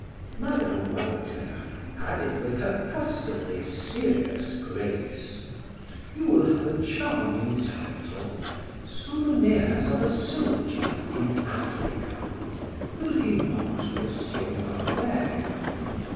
Mme. Walter added with her customary, serious grace: "You will have a charming title: 'Souvenirs of a Soldier in Africa.' Will he not, M. Norbert?"